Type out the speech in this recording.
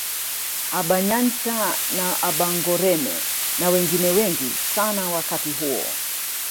Abanyancha na abangoreme na wengine wengi sana wakati huo